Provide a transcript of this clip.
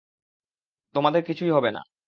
তোমাদের কিছুই হবে না।